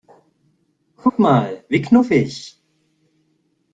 Guck mal, wie knuffig!